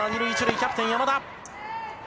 キャプテン、山田。